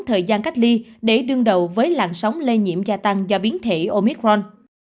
thời gian cách ly để đương đầu với làn sóng lây nhiễm gia tăng do biến thể omicron